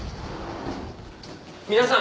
皆さん！